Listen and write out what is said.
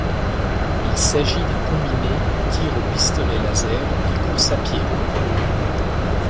Il s'agit d'un combiné tir au pistolet laser et course à pied.